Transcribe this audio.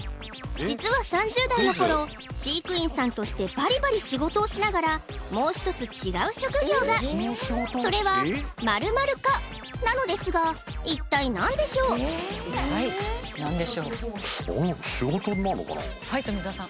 実は３０代の頃飼育員さんとしてバリバリ仕事をしながらもう一つ違う職業がそれは「○○家」なのですが一体何でしょう仕事になんのかなはい富澤さん